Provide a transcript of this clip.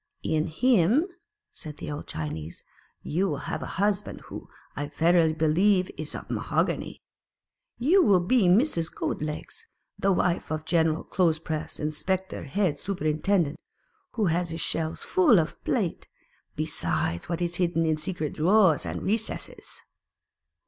'In him," said the old Chinese, "you will have a husband who, I verily believe, is of mahogany. You will be Mrs. Goat legs, the wife of a General clothes press inspector head superintendent, who has his shelves full of plate, besides what is hidden in secret drawers and recesses."